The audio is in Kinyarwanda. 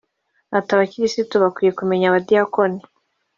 Ati “Abakisititu bakwiye kumenya abadiyakoni